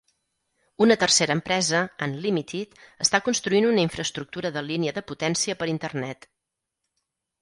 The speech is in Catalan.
Una tercera empresa, Unlimited, està construint una infraestructura de línia de potència per internet.